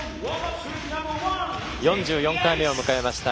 ４４回目を迎えました